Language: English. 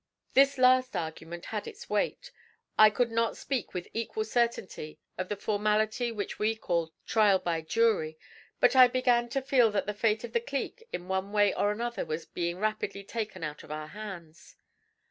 This last argument had its weight. I could not speak with equal certainty of the formality which we call 'trial by jury,' but I began to feel that the fate of the 'clique,' in one way or another, was being rapidly taken out of our hands.